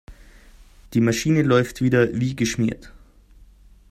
Die Maschine läuft wieder wie geschmiert.